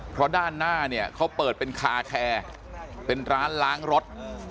เพราะด้านหน้าเนี่ยเขาเปิดเป็นคาแคร์เป็นร้านล้างรถ